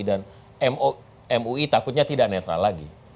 dan mui takutnya tidak netral lagi